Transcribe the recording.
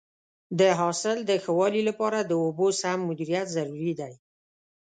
د حاصل د ښه والي لپاره د اوبو سم مدیریت ضروري دی.